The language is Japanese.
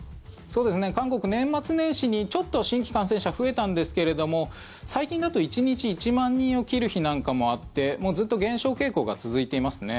韓国、年末年始にちょっと新規感染者増えたんですけれども最近だと１日１万人を切る日なんかもあってもうずっと減少傾向が続いていますね。